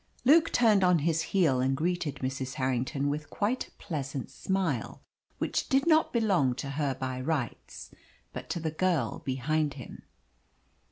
Luke turned on his heel and greeted Mrs. Harrington with quite a pleasant smile, which did not belong to her by rights, but to the girl behind him.